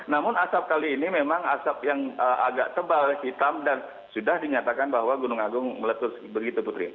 namun asap kali ini memang asap yang agak tebal hitam dan sudah dinyatakan bahwa gunung agung meletus begitu putri